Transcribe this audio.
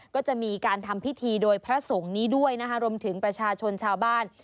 ก็จะมีการทำพิธีโดยพระสงฆ์นี้ด้วยนะคะรวมถึงประชาชนชาวบ้าน